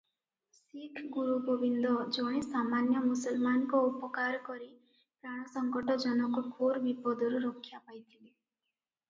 ଶିଖଗୁରୁ ଗୋବିନ୍ଦ ଜଣେ ସାମାନ୍ୟ ମୁସଲମାନଙ୍କ ଉପକାର କରି ପ୍ରାଣସଙ୍କଟ ଜନକ ଘୋର ବିପଦରୁ ରକ୍ଷା ପାଇଥିଲେ ।